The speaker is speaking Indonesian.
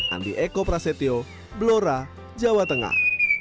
andi eko prasetyo blora jawa tengah